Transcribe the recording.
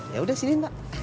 ya udah sini pak